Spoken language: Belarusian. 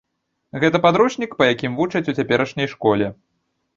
Гэта падручнік, па якім вучаць у цяперашняй школе.